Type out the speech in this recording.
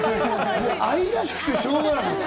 愛らしくてしょうがない！